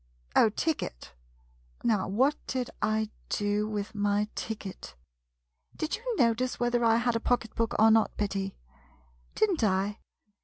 Oh, ticket — now what did I do with my ticket? Did you notice whether I had a pocket book or not, Betty ? Did n't I